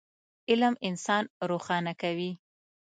علم انسان روښانه کوي.